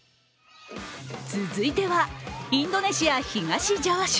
続いては、インドネシア東ジャワ州。